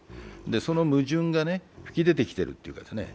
その矛盾が噴き出てきてるというかね。